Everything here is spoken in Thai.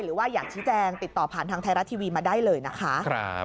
หรือว่าอยากชี้แจงติดต่อผ่านทางไทยรัฐทีวีมาได้เลยนะคะ